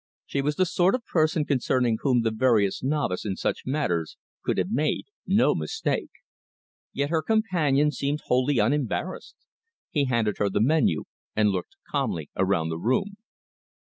She was the sort of person concerning whom the veriest novice in such matters could have made no mistake. Yet her companion seemed wholly unembarrassed. He handed her the menu and looked calmly around the room.